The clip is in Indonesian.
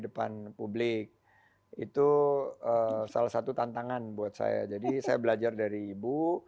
depan publik itu salah satu tantangan buat saya jadi saya belajar dari ibu